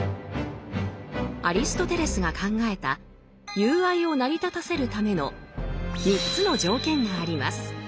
アリストテレスが考えた友愛を成り立たせるための３つの条件があります。